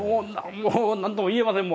もう何とも言えません。